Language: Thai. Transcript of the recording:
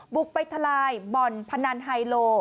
บุกไปทลายบ่อนพนันไฮโล